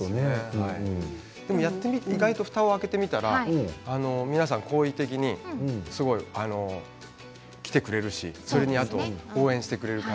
でもふたを開けてみたら皆さん好意的に来てくれるしそれに応援もしてくれるし。